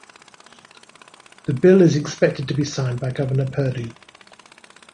The bill is expected to be signed by Governor Perdue.